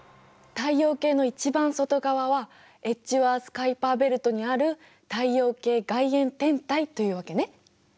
太陽系の一番外側はエッジワース・カイパーベルトにある太陽系外縁天体というわけね。